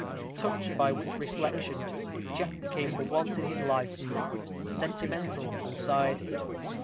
Touched by which reflection, Jack became for once in his life sentimental, and sighed.